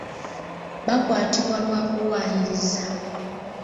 Baakwatibwa lwa kuwaayiriza.